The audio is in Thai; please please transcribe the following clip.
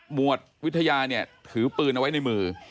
วดวิทยาเนี่ยถือปืนเอาไว้ในมือ